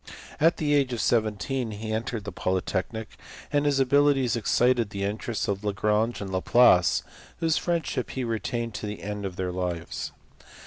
At the age of seventeen he entered the Polytechnic, and his abilities excited the interest of Lagrange and Laplace whose friendship he retained to the end of their lives.